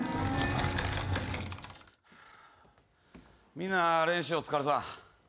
・みんな練習お疲れさん。